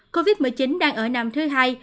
covid một mươi chín đang ở năm thứ hai